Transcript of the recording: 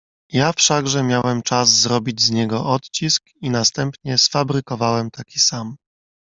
"Ja wszakże miałem czas zrobić z niego odcisk i następnie sfabrykowałem taki sam."